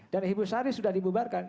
dan ibu sari sudah dibubarkan